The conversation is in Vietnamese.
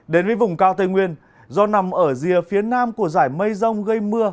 đến với vùng cao tây nguyên do nằm ở rìa phía nam của giải mây rông gây mưa